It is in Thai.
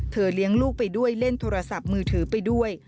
เลี้ยงลูกไปด้วยเล่นโทรศัพท์มือถือไปด้วย